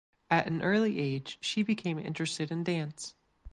At an early age she became interested in dance.